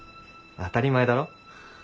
当たり前だろ。